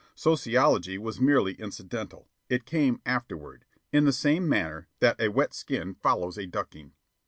Sociology was merely incidental; it came afterward, in the same manner that a wet skin follows a ducking.